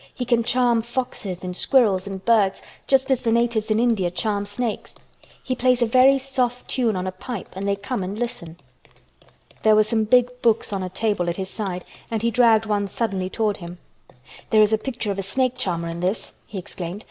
He can charm foxes and squirrels and birds just as the natives in India charm snakes. He plays a very soft tune on a pipe and they come and listen." There were some big books on a table at his side and he dragged one suddenly toward him. "There is a picture of a snake charmer in this," he exclaimed.